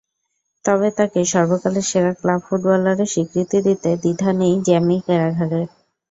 তবে তাঁকে সর্বকালের সেরা ক্লাব ফুটবলারের স্বীকৃতি দিতে দ্বিধা নেই জ্যামি ক্যারাঘারের।